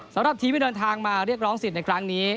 สำหรับทีมที่เดินทางมาเรียกร้องสิทธิ์ในครั้งนี้